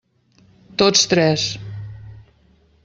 Tots tres.